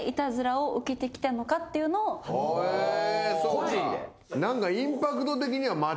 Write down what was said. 個人で？